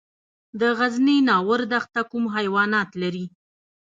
د غزني ناور دښته کوم حیوانات لري؟